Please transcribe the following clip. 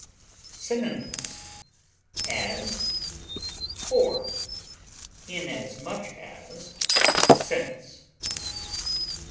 Synonyms: as, for, inasmuch as, since.